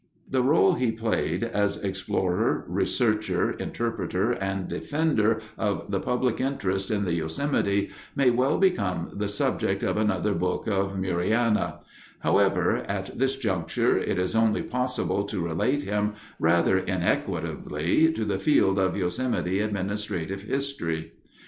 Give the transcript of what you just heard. The role he played as explorer, researcher, interpreter, and defender of the public interests in the Yosemite may well become the subject of another book of Muiriana; however, at this juncture, it is only possible to relate him rather inequitably to the field of Yosemite administrative history.